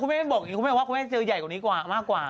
คุณแม่บอกคุณแม่ว่าคุณแม่เจอใหญ่มากกว่า